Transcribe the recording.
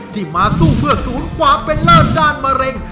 ที่มาสู้เพื่อศูนย์ความเป็นเลิศด้านมะเร็ง